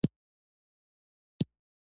هغه په بېړه د ټلیفون پر خوا را ودانګل